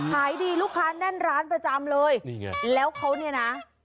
ขายดีลูกค้านั่นร้านประจำเลยแล้วเขานี่นะ